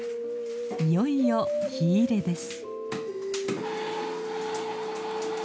いよいよ火入れです。